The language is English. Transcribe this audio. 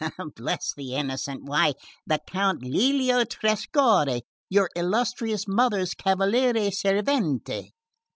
Bless the innocent! Why, the Count Lelio Trescorre, your illustrious mother's cavaliere servente."